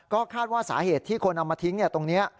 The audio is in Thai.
ก็คาดว่าสาเหตุที่คนเอามาทิ้งตรงนี้